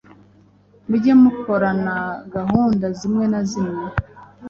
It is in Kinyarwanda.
Mujye mukorana gahunda zimwe na zimwe